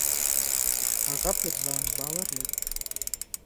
هغه پر ځان باور لري.